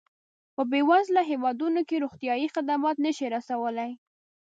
په بېوزله هېوادونو کې روغتیایي خدمات نه شي رسولای.